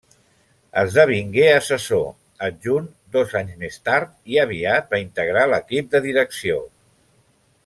Esdevingué assessor adjunt dos anys més tard, i aviat va integrar l'equip de direcció.